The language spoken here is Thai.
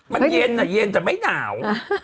มันเย็นนะแต่ไม่หนาว